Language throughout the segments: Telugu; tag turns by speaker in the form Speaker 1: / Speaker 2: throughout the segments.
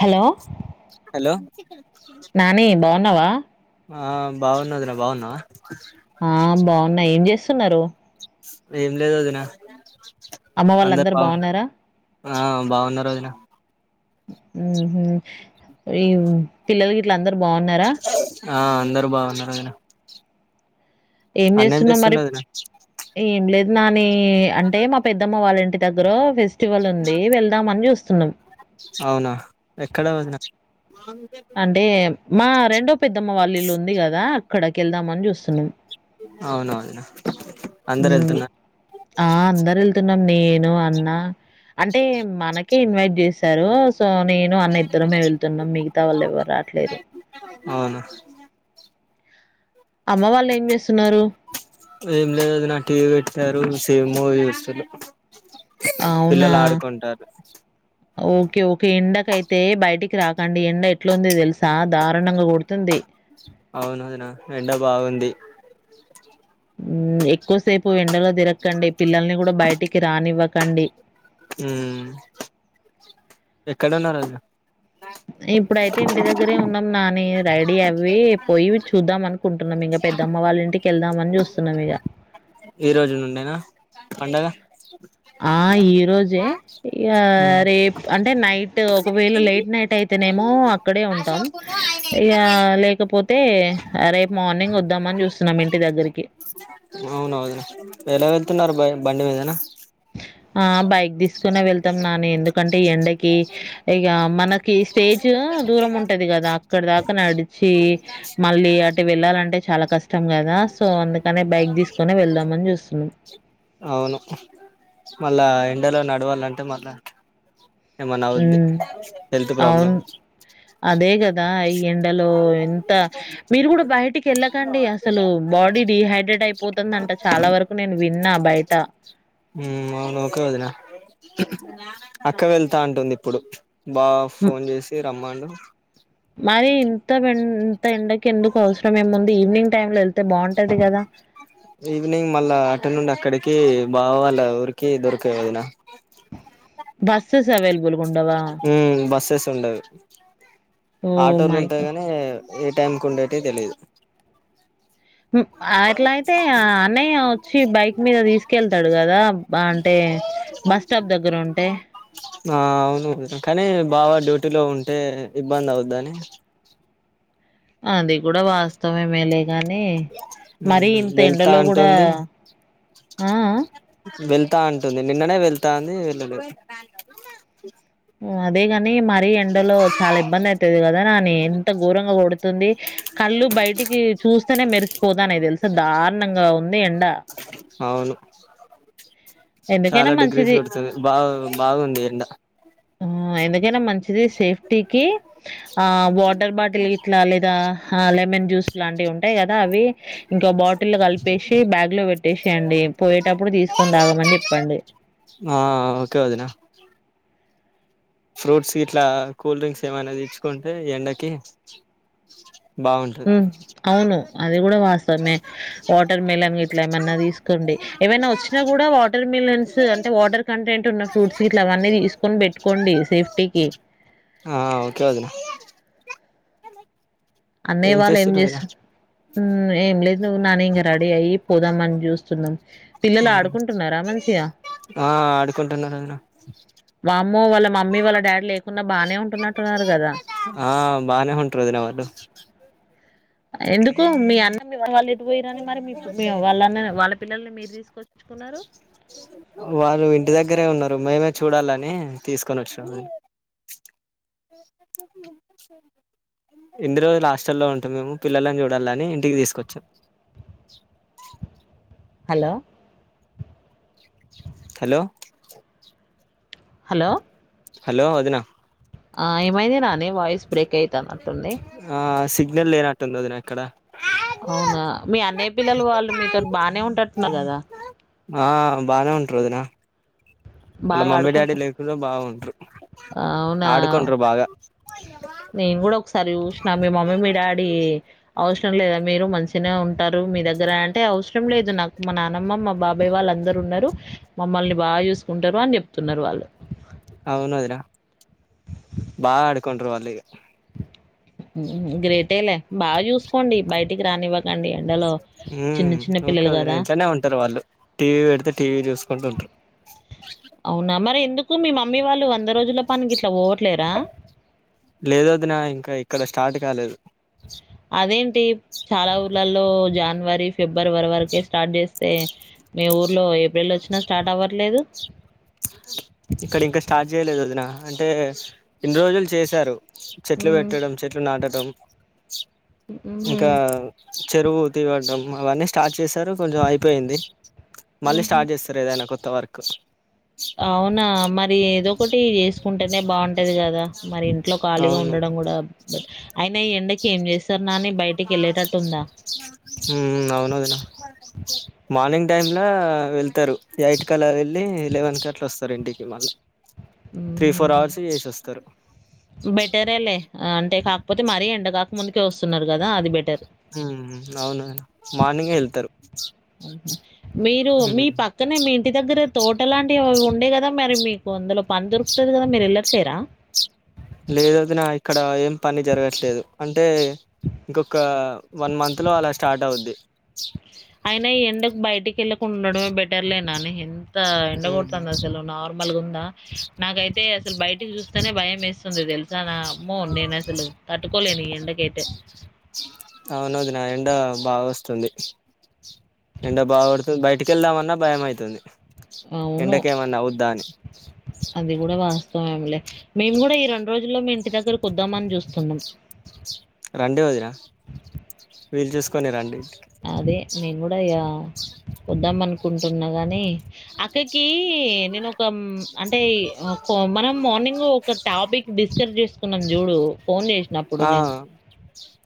Speaker 1: హలో
Speaker 2: హలో
Speaker 1: నాని బాగున్నావా
Speaker 2: ఆ బాగున్న వదిన బాగున్నావా
Speaker 1: ఆ బాగున్నా ఏం చేస్తున్నారు
Speaker 2: ఏం లేదు వదిన
Speaker 1: అమ్మ వాళ్ళు అందరు బాగున్నారా
Speaker 2: ఆ ఆ బాగున్నారు వదిన
Speaker 1: ఉహు విమ్ పిల్లలు గీట్లా అందరు బాగున్నారా
Speaker 2: ఆ అందరు బాగున్నారు వదిన
Speaker 1: ఏం
Speaker 2: అన్న
Speaker 1: చేస్తున్నావు మరి
Speaker 2: చేస్తుండు వదిన
Speaker 1: ఏం లేదు నాని అంటే మా పెద్దమ్ పో వాళ్ళంటి దగ్గర ఫెస్ ఫెస్టివల్ ఉంది వెళ్దామని చూస్తున్నాం
Speaker 2: అవునా ఎక్కడ వదిన
Speaker 1: అంటే మా రెండో పెద్దమ్మ వాళ్ళ ఇల్లు ఉంది కదా అక్కడకి వెళ్దామని చూస్తున్నాం
Speaker 2: అవునా వదిన అందరు
Speaker 1: ఉ
Speaker 2: వెళ్తున్నారు
Speaker 1: ఆ అందరు వెళ్తున్నాము నేను అన్నా అంటే మనకే ఇన్వైట్ చేశారు సో నేను అన్న ఇద్దరమే వెళ్తున్నాం మిగతా వాళ్ళు ఎవరు రాట్లేరు
Speaker 2: పన్నా
Speaker 1: అమ్మ వాళ్ళు ఏం చేస్తున్నారు
Speaker 2: ఏం లేదు వదినా టీవీ పెట్టారు సేమ్ మూవీ చూస్తుళ్ళు
Speaker 1: అవునా!
Speaker 2: పిల్లలు ఆడుకుంటారు
Speaker 1: ఓకే ఓకే ఎండకయితే బయటికి రాకండి ఎండ ఎట్లుంది తెలుసా దారుణంగా కుడుతుంది
Speaker 2: అవును వదినా ఎండ బాగుంది
Speaker 1: హ్మ్ ఎక్కువసేపు ఎండలో తిరక్ అండి పిల్లల్ని కూడా బయటికి రానివ్వకండి
Speaker 2: ఉం ఎక్కడ ఉన్నారు వాళ్ళు
Speaker 1: ఇప్పుడైతే ఇంటి దగ్గరే ఉన్నాం నాని రెడీ అవి పోయి చూద్దాం అనుకుంటున్నాం ఇంకా పెద్దమ్మ వాళ్ళ ఇంటికి కెళ్దామని చూస్తున్నాం ఇక
Speaker 2: ఈ రోజు నుండేనా పండగ
Speaker 1: ఆ ఈ రోజే ఇగ
Speaker 2: ఉమ్
Speaker 1: రేపు అంటే నైట్ ఒకవేళ లేట్ నైట్ అయితేనేమో అక్కడే ఉంటాం ఇక లేక పోతే రేపు మార్నింగ్ వద్దామని చూస్తున్నాం ఇంటి దగ్గరికి
Speaker 2: అవునా వదిన ఎలా వెళ్తున్నారు బ బండి మీదనా
Speaker 1: ఆ బైక్ తీసుకునే వెళ్తాం నాని ఎందుకంటే ఎండకి ఇక మనకి స్టే ఇజ్ దూరం ఉంటది కదా అక్కడ దాకా నడిచి మళ్ళీ అటు వెళ్ళాలంటే చాలా కస్ ఇష్టం కదా సో అందుకనే బైక్ తీసుకుని వెళ్దామని చూస్తున్నాం
Speaker 2: అవును మళ్ళా ఎండలో నడవాలంటే మళ్ళా ఏమన్నా
Speaker 1: ఉ
Speaker 2: అవుద్ది హెల్త్ ప్రాబ్లం
Speaker 1: అవును అదే కదా ఈ ఎండలో ఎంత మీరు కూడా బయటికి వెళ్ళకండి అసలు బాడీ డిహైడ్రేట్ అయిపోతుందంట చాలా వరకు నేను ఉన్నా బయట
Speaker 2: ఉం అవును ఒకే వదిన అక్క వెళ్తా అంటుంది ఇప్పుడు బావ
Speaker 1: హ్మ్.
Speaker 2: ఫోన్ చేసి రమ్మండు
Speaker 1: మరి ఇంత ఇంత ఎండకి ఎందుకు అవసరం మేము ఉంది ఈవినింగ్ టైమ్ లో వెళ్తే బాగుంటది కదా
Speaker 2: ఈవినింగ్ మళ్ళా అట నుండి అక్కడికి బావా వాళ్ళ ఊరికి దొరకవు వదిన
Speaker 1: బస్సస్ అవైలబుల్ గా ఉండవా
Speaker 2: ఉండదు
Speaker 1: ఓహ్!
Speaker 2: ఆటోలు
Speaker 1: మై
Speaker 2: ఉంటాయి
Speaker 1: గాడ్!
Speaker 2: కానీ ఏ టైంకి ఉండేటయి తెలీదు
Speaker 1: అట్లా అయితే అన్నయ్య వచ్చి బైక్ మీద తీసుకెళ్తాడు కదా అంటే బస్ స్టాప్ దగ్గర ఉంటే
Speaker 2: ఆ అవును కానీ బావా డ్యూటీ డ్యుటిలో ఉంటే ఇబ్బంది అవుద్దని
Speaker 1: అది కూడా వాస్తవ మేలే గానీ మరి ఇంత ఎండలో కూడా
Speaker 2: వెళ్ వెళ్తా అంటుంది నిన్ననే వెళ్తా అంది వెళ్ళలేదు
Speaker 1: అదే కానీ మరి ఎండలో చాలా ఇబ్బంది అయితది కదా నానీ ఎంత గోరంగా కొడుతుంది కళ్ళు బయట బయటికి చూస్తేనే మెరిసిపోతానాయి తెలుసా దారుణంగా ఉంది ఎండ
Speaker 2: అవును
Speaker 1: ఎందుకైనా
Speaker 2: చాలా డిగ్రీస్
Speaker 1: మంచిది.
Speaker 2: పడుతుంది బా బాగుంది ఎండ
Speaker 1: ఆ ఎందు కైనా మంచిది సేఫ్టీ కి ఆ వాటర్ బాటిల్ ఇట్లా లేదా ఆ లే లెమన్ జూస్ లాంటివి ఉంటాయి కదా అవి ఇంక బాటిల్ కలిపేసి బ్యాగ్ లో పెట్టేసియండి పోయేటప్పు అప్పుడు తీసుకోని తాగమని చెప్పండి
Speaker 2: ఆ ఓకే వదినా ఫ్రూట్స్ ఇట్లా కూల్ డ్రింక్స్ ఏమైనా తే చ్చుకుంటే ఎండకి బాగుంటది
Speaker 1: ఉం అవును అది కూడా వాస్తవమే వాటర్ మిలన్ గట్లే మన్నా తీసుకోండి ఏవైనా వచ్చినా కూడా వాటర్ మిలన్స్ అంటే వాటర్ కంటెంట్ ఉన్న ఫ్రూట్స్ ఇట్లా అవన్నీ తీసుకొని పెట్టుకో డి సేఫ్టీ [unintelligible]
Speaker 2: ఆ ఓకే వదిన
Speaker 1: అన్నయ్య వాళ్ళు ఏం
Speaker 2: చేస్తుర్రు వదిన
Speaker 1: చేస్తు ఉం ఏం లేదు నువ్వు నాన్న ఇంక ర రెడీ అయి పోదాంమని చూస్తున్నాం పిల్లలు ఆడుకుంటున్నారా మంచిగా
Speaker 2: ఆ ఆడుకుంటున్నారు వదిన
Speaker 1: వామ్మో వాళ్ళ మమ్మీ వాళ్ళ డాడీ లేకుండా బానే ఉంటున్నట్టున్నారు కదా
Speaker 2: ఉంటారుదలవదు [unintelligible]
Speaker 1: ఎందుకు మీ అన్నది పోయిరని మరి మీ వాళ్ళ వాళ్ళ పిల్లల్ని మీరు తీసుకొచ్చుకున్నారు
Speaker 2: వాళ్ళు ఇంటి దగ్గరే ఉన్నరు మేమే చూడాలని తీసుకొనోచ్చం ఇన్ని రోజులు హాస్టల్లో ఉంటాం మేము పిల్లలని చూడాలిని ఇంటికి తీసుకొచ్చాం
Speaker 1: హలో
Speaker 2: హలో
Speaker 1: హలో
Speaker 2: హలో వదిన
Speaker 1: ఆ ఏమైంది నాని వాయిస్ బ్రేక్ అయిత న్నట్టుంది
Speaker 2: ఆ సిగ్నల్ లేనట్టుంది వదిన ఇక్కడ
Speaker 1: అవునా మీ అన్నయ పిల్లలు వాళ్ళు మీతో టి బానే ఉంటనట్టురు కదా
Speaker 2: ఆ బాగానే ఉంటారు వదిన అళ్లా
Speaker 1: బాగా
Speaker 2: మమ్మీ డాడీ
Speaker 1: ఆడుకుంటు
Speaker 2: లేకున్నా బాగుంటారు
Speaker 1: అవునా
Speaker 2: ఆడుకుంటురు బాగా
Speaker 1: నేను కూడా ఒకసారి చూసిన మీ మమ్మీ మీ డాడీ అవ సరం లేదా మీరు మంచిగానే ఉంట ఉంటారు మీ దగ్గర అంటే అవసరం లేదు నాకు మా నానమ్మ మా బాబాయ్ వాళ్ళు అందరూ ఉన్నారు మమ్మల్ని బాగా చూసుకుంటారు అని చెప్తున్నారు వాళ్ళు
Speaker 2: అవును వదిన బాగా ఆడుకుంట్రు వాళ్లిగా
Speaker 1: గ్రేటేలే బాగా చూసుకోండి బయటికి రానివ్వకండి అ
Speaker 2: ఉ ఓకే వదిన ఇంట్లనే ఉంటారు వాళ్ళు టీవీ పెడితే టీవీ చూసుకుంటూ ఉంటారు
Speaker 1: అవునా మరి ఎందుకు మీ మమ్మీ వాళ్ళు వంద రోజుల పనికి ఇట్లా ఓ
Speaker 2: లేదు వదిన ఇంకా ఇక్కడ స్టార్ట్ కాలేదు
Speaker 1: అదేంటి చాలా ఊర్లలో జాన్వరి ఫ్రీ ఫిబ్రవరి వరకే స్టార్ట్ చేస్తే మీ ఊర్లో ఏప్రిల్ వచ్చినా స్టార్ట్ అవ్వట్లేదు
Speaker 2: ఇక్కడ ఇంకా స్టార్ట్ చేయలేదు వదిన అంటే ఇన్ రోజులు చేశారు చెట్లు
Speaker 1: హ్మ్.
Speaker 2: పెట్టడం చెట్లు నాటటం
Speaker 1: హుహు.
Speaker 2: ఇంకా చెరువు తీవడం అవన్నీ స్టార్ట్ చేసి టరు కొంచెం అయిపోయింది మళ్ళీ
Speaker 1: హుహు.
Speaker 2: స్టార్ట్ చేస్తారు ఏదైనా కొత్త వర్క్
Speaker 1: అవునా మరి ఏదో ఒకటి చేసుకుంటేనే బాగుంటది కదా మరి ఇంట్లో ఖాళీగా
Speaker 2: అవును
Speaker 1: ఉండడం మనం కూడా బట్ అయిన ఈ ఎండకి ఏం చేస్తారు నాని బయటికెళ్ళేటట్టుందా?
Speaker 2: ఉమ్ అవును వదిన మా ర్నింగ్ టైమ్ లవెళ్తారు ఎయిట్ కలా వెళ్ళి లెవెన్ కట్లా వస్తారు ఇంటికి మళ్ళ త్రీ ఫోర్
Speaker 1: హ్మ్.
Speaker 2: అవర్స్ ఏసస్తారు
Speaker 1: బెటరేలే అంటే కాకపోతే మరీ ఎండ కాక ముందుకే వస్తున్నారు కదా అది బెటర్
Speaker 2: ఉ అవును వదిన మార్నింగే ఏళ్తారు
Speaker 1: మీరు మీ పక్కనే మీ ఇంటి దగ్గరే తోట లాంటివివి ఉ ఉండే కదా మరి మీకు అందులో పని దొరుకుతది కదా మీరు ఎల్లట్లేర
Speaker 2: లేదు వదిన ఇక్కడ ఏం పని జరగట్లేదు అంటే ఇంకొక వన్ మంత్ లో అలా స్టార్ట్ అవుద్ది
Speaker 1: అయిన ఈ ఎండకు బయటికి వెళ్ళ కుండడమే బెటర్లేనని ఎంత ఎండగొడుతంది అసలు నార్మల్గా ఉందా నాకైతే అసలు బయటకి చూస్తేనే భయం వేస్తుంది తెలుసా నా అమ్మో నేను అసలు తట్టుకోలేను ఈ ఎండకైతే అ
Speaker 2: అవునదిన బాగా వస్తుంది ఎండ బాగోడుతుంది బయటి కేళ్దామన్నా భయం అయితుంది
Speaker 1: అవును.
Speaker 2: ఎండకేమన్నా ఆవుద్దాని
Speaker 1: అవున్లె మేము కూడా ఈ రెండు రోజుల్లో మీ ఇంటి దగ్గర కుద్దామని చూస్తున్నాం
Speaker 2: రండి వదిన వీలు చూసుకొని రండి
Speaker 1: అదే నేను కూడా ఇగ వద్దాం అనుకుంటున్నా గానీ అక్కకి నేను ఒక అంటే మనం మార్నింగ్ ఒక టాపిక్ డిస్కరేజ్ చేసుకున్నాం చూడు ఫోన్ చేసినప్పుడు
Speaker 2: ఆ
Speaker 1: నేను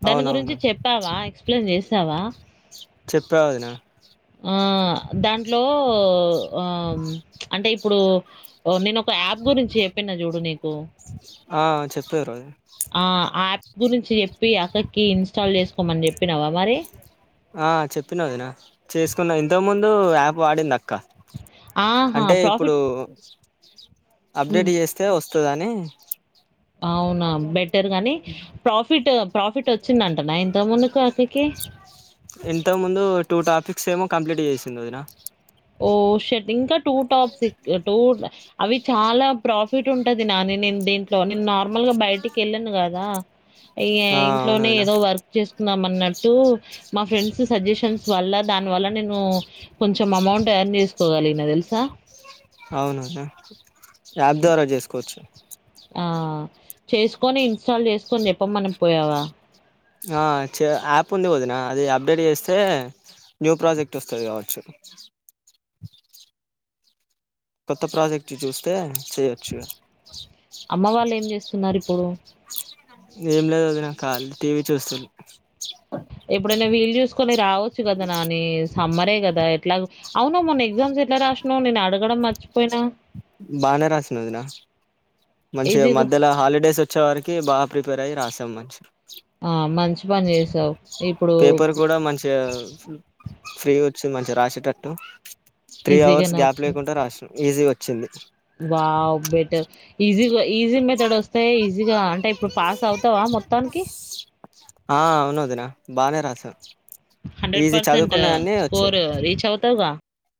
Speaker 1: దాని గురించి
Speaker 2: అవునవును
Speaker 1: చెప్పావా ఎక్స్ప్లెయిన్ చేసావా
Speaker 2: చెప్పా వదిన
Speaker 1: ఆ దాంట్లో ఆ అంటే ఇప్పుడు నేను ఒక యాప్ గురించి చెప్పిన చూడు నీకు
Speaker 2: ఆ చెప్పరు వదిన
Speaker 1: ఆ! ఆ యాప్ గురించి చెప్పి అక్కకి ఇన్స్టాల్ చేసుకోమని చెప్పినవ మరి
Speaker 2: ఆ చెప్పిన వదిన చేసుకున్నది ఇంత ముందు యాప్ వాడింది అక్క
Speaker 1: ఆహా!
Speaker 2: అంటే ఇప్పుడు
Speaker 1: ప్రాఫిట్ హ్మ్.
Speaker 2: అప్డేట్ చేస్తే వస్ వస్తుదని
Speaker 1: అవునా బెటర్ గాని ప్రాఫిట్ ప్రాఫిట్ వచ్చిందంట నైన్త్
Speaker 2: ఇంత ముందు టూ టాపిక్స్ ఏమో కంప్లీట్ చేసింది వదిన
Speaker 1: ఓ షట్ ఇంకా టూ టాప్క్ టూ అవి చాలా ప్రాఫిట్ ఉంటది నాని నేను దీంట్లో నేను నార్మల్ గా బయటికి వెళ్ళాను కదా ఈ
Speaker 2: ఆ అవును
Speaker 1: ఇంట్లోనే
Speaker 2: వదిన
Speaker 1: ఏదో వర్క్ చేసు మా ఫ్రెండ్స్ సజెషన్స్ వల కొంచెం అమౌంట్ పని చేసుకోగలి నా తెలుసా
Speaker 2: అవునద యాప్ ద్వారా చేసుకోవచ్చు
Speaker 1: ఆ చేసుకొని ఇన్స్టాల్ చేసుకొని చెప్పమని పోయావా
Speaker 2: ఆ యాప్ ఉంది వదిన అది అప్డేట్ చేస్తే న్యూ ప్రాజెక్ట్ వస్తుంది కావచ్చు
Speaker 1: అ
Speaker 2: కొత్త ప్రాజెక్ట్ చూస్తే చేయొచ్చు
Speaker 1: అమ్మ వాళ్ళేం జేస్తున్నారిప్పుడు?
Speaker 2: ఏం లేదు అదిిన కా టీవీ చూస్తు
Speaker 1: ఎప్పుడైనా వీలు చూసుకొని రావచ్చు కదా నాని సమ్మరే కదా ఎట్లా అవున మొన్న ఎగ్జామ్స్ ఎట్లా రాసినవు నేను అడగడం మచి
Speaker 2: బానే రాసినవదిన మంచిగా
Speaker 1: ఈజీగా
Speaker 2: మధ్యలో హాలిడేస్ వచ్చే వారికి బాగా ప్రిపేర్ అయ్యి రాసాం మనిషి
Speaker 1: ఆ మంచి పని చేసావు్
Speaker 2: పేపర్ కూడా మంచిగా ఫ్రీ వచ్చి మంచిగా రాసేటట్టు త్రీ అవర్స్
Speaker 1: ఈజీగానే
Speaker 2: గ్యాప్ లేకుండా రాసం ఈజీ వచ్చింది
Speaker 1: వా్ బెటర్ ఈజీగా ఈజీ వస్తాయి ఈజీగా అంటే ఇప్పుడు పాస్ అవుతావా మొత్తానికి?
Speaker 2: ఆ అవును వదిన బానే రాసు
Speaker 1: హండ్రెడ్ పర్సెంట్ స్కోర్ రీచ్ అవుతగా